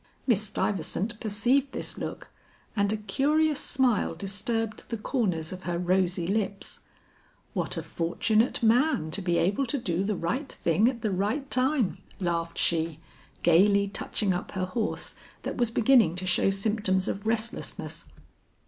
Miss Stuyvesant perceived this look and a curious smile disturbed the corners of her rosy lips. "What a fortunate man to be able to do the right thing at the right time," laughed she, gaily touching up her horse that was beginning to show symptoms of restlessness.